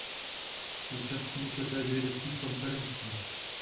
Účastní se též vědeckých konferencí.